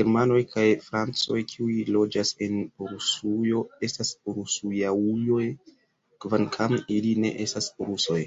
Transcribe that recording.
Germanoj kaj francoj, kiuj loĝas en Rusujo, estas Rusujauoj, kvankam ili ne estas rusoj.